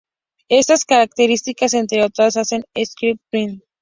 Estas características, entre otras, hacen de "Streptomyces spp".